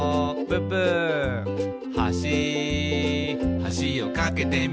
「はしはしを架けてみた」